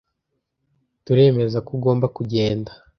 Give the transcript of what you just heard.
Turemeza ko ugomba kugenda.